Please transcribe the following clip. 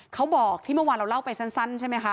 เขาบอกที่เมื่อวานเราเล่าไปสั้นใช่ไหมคะ